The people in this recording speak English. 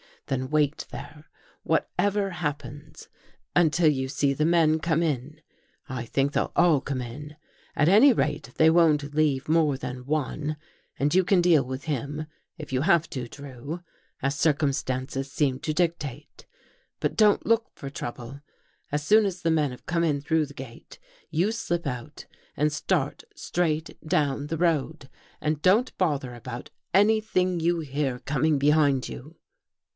Then wait there, whatever hap pens, until you see the men come in. I think they'll all come in. At any rate they won't leave more than one, and you can deal with him, if you have to. Drew, as circumstances seem to dictate. But don't look for trouble. As soon as the men have come in through the gate, you slip out and start straight down the road. And don't bother about anything you hear coming behind you."